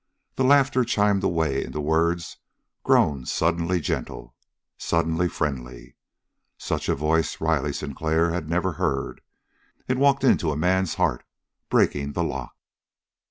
The laughter chimed away into words grown suddenly gentle, suddenly friendly. Such a voice Riley Sinclair had never heard. It walked into a man's heart, breaking the lock.